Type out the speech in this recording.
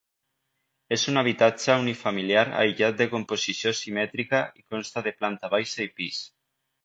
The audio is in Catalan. És un habitatge unifamiliar aïllat de composició simètrica i consta de planta baixa i pis.